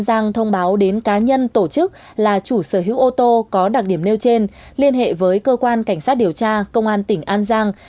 an giang thông báo đến cá nhân tổ chức là chủ sở hữu ô tô có đặc điểm nêu trên liên hệ với cơ quan cảnh sát điều tra công an tỉnh an giang